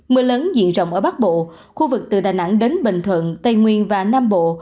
mưa lớn diện rộng ở bắc bộ khu vực từ đà nẵng đến bình thuận tây nguyên và nam bộ